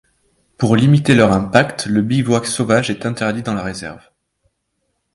Pour limiter leur impact, le bivouac sauvage est interdit dans la réserve.